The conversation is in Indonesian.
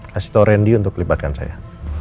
kasih tahu randy untuk kelibatkan saya